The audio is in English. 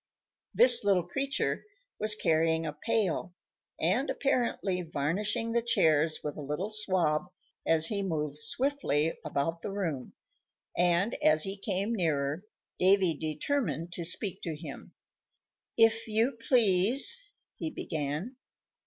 This little creature was carrying a pail, and apparently varnishing the chairs with a little swab as he moved swiftly about the room; and, as he came nearer, Davy determined to speak to him. "If you please," he began.